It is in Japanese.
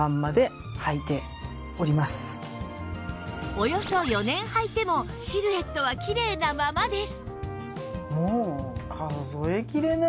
およそ４年はいてもシルエットはきれいなままです